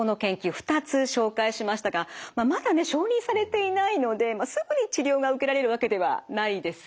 ２つ紹介しましたがまだね承認されていないのですぐに治療が受けられるわけではないですよね。